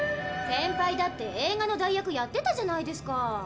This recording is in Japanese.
センパイだって映画の代役やってたじゃないですか。